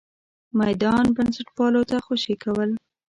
میدان بنسټپالو ته خوشې کول.